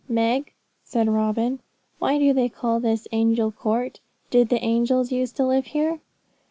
'Meg,' said Robin, 'why do they call this Angel Court? Did the angels use to live here?'